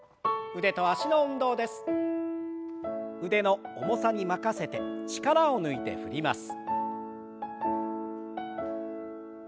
腕の重さに任せて力を抜いて振ります。